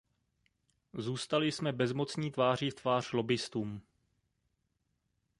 Zůstali jsme bezmocní tváří v tvář lobbyistům.